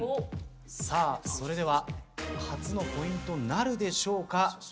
さあそれでは初のポイントなるでしょうか？